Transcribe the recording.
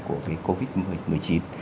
của cái covid một mươi chín